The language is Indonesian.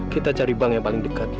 kita cari bank yang paling dekat